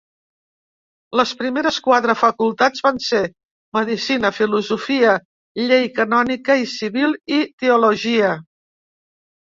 Les primeres quatre facultats van ser Medicina, Filosofia, Llei canònica i civil i Teologia.